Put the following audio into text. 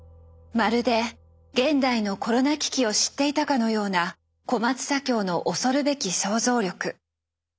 まるで現代のコロナ危機を知っていたかのような小松左京の恐るべき想像力。